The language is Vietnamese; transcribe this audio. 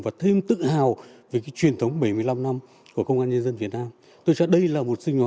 và thêm tự hào về cái truyền thống bảy mươi năm năm của công an nhân dân việt nam tôi cho đây là một sinh